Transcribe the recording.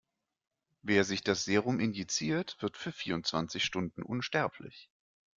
Wer sich das Serum injiziert, wird für vierundzwanzig Stunden unsterblich.